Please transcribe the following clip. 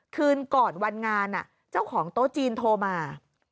คืนก่อนวันงานเจ้าของโต๊ะจีนโทรมา